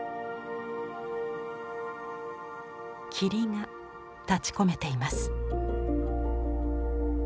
霧が立ちこめています。